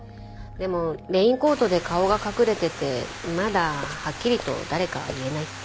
でもレインコートで顔が隠れててまだはっきりと誰かは言えないって。